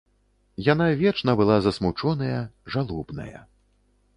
Яна вечна была засмучоная, жалобная.